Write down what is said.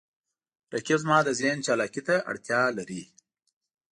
رقیب زما د ذهن چالاکي ته اړتیا لري